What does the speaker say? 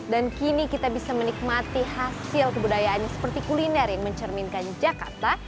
dan kini kita bisa menikmati hasil kebudayaannya seperti kuliner yang mencerminkan jakarta